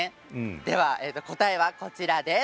では、答えはこちらです。